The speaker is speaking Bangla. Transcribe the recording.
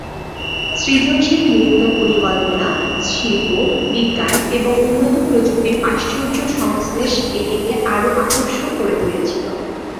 সৃজনশীল নৃত্য পরিকল্পনা, শিল্প, বিজ্ঞান এবং উন্নত প্রযুক্তির আশ্চর্য সংশ্লেষ এটিকে আরও আকর্ষক করে তুলেছিল।